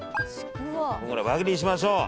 これ輪切りにしましょう。